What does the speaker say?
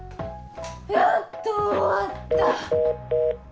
やっと終わった！